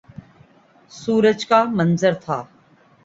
سورج ل کا منظر تھا